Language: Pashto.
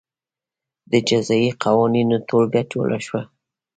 د جزايي قوانینو ټولګه جوړه شوه.